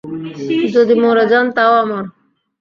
যদি মরে যান, তাও অমর!